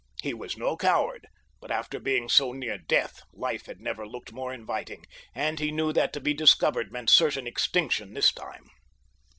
He was no coward, but after being so near death, life had never looked more inviting, and he knew that to be discovered meant certain extinction this time.